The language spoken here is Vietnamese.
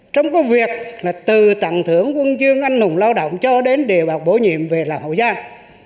trong cái việc là từ tặng thưởng quân chương anh hùng lao động cho đến đề bạc bổ nhiệm về là hậu giang